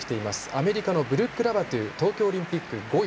アメリカのブルック・ラバトゥ東京オリンピック５位。